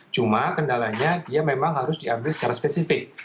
cuma kendalanya dia memang harus diambil secara spesifik